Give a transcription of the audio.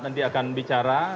nanti akan bicara